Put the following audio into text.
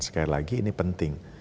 sekali lagi ini penting